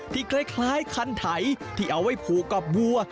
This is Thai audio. คล้ายคันไถที่เอาไว้ผูกกับวัว